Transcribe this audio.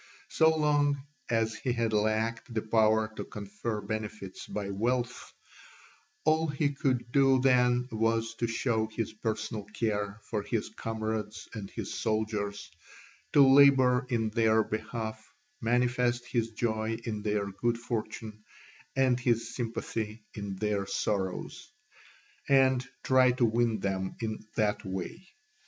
So long as he had lacked the power to confer benefits by wealth, all he could do then was to show his personal care for his comrades and his soldiers, to labour in their behalf, manifest his joy in their good fortune and his sympathy in their sorrows, and try to win them in that way.